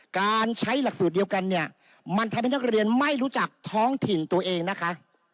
การใช้หลักสูตรเดียวกันเนี่ยมันทำให้นักเรียนไม่รู้จักท้องถิ่นตัวเองนะคะ